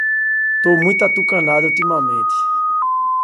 Tô muito atucanado ultimamente